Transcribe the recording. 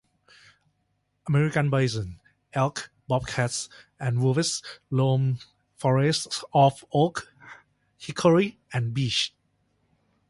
American Bison, elk, bobcats and wolves roamed forests of oak, hickory and beech.